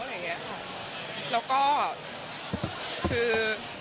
แล้วก็คือ